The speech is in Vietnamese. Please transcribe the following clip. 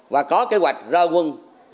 và có kế hoạch ra quân